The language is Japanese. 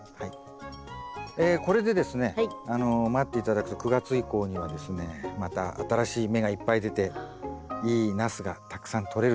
これでですね待って頂くと９月以降にはですねまた新しい芽がいっぱい出ていいナスがたくさんとれると思いますんで。